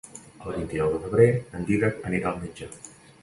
El vint-i-nou de febrer en Dídac anirà al metge.